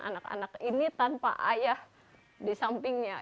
anak anak ini tanpa ayah di sampingnya